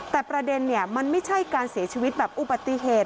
แต่ประเด็นเนี่ยมันไม่ใช่การเสียชีวิตแบบอุบัติเหตุ